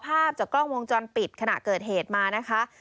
ภาพจากกล้องวงจรปิดขณะเกิดเหตุมานะคะ